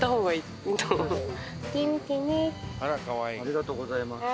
ありがとうございます。